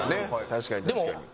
確かに確かに。